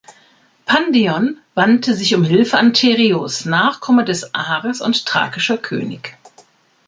Pandion wandte sich um Hilfe an Tereus, Nachkomme des Ares und thrakischer König.